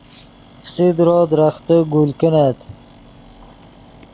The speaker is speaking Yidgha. فسیدرو درختے گل کینت